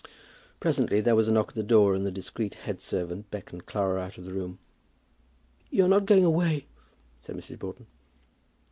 Presently there was a knock at the door, and the discreet head servant beckoned Clara out of the room. "You are not going away," said Mrs. Broughton.